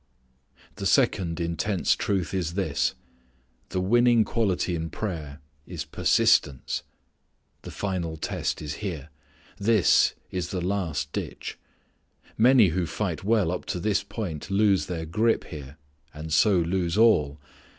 The second intense truth is this: the winning quality in prayer is persistence. The final test is here. This is the last ditch. Many who fight well up to this point lose their grip here, and so lose all.